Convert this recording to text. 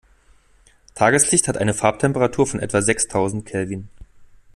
Tageslicht hat eine Farbtemperatur von etwa sechstausend Kelvin.